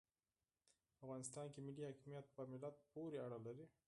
په افغانستان کې ملي حاکمیت په ملت پوري اړه لري.